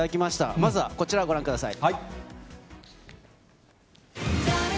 まずはこちらご覧ください。